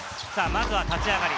まずは立ち上がり。